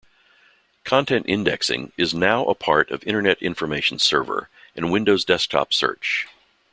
Content Indexing is now a part of Internet Information Server and Windows Desktop Search.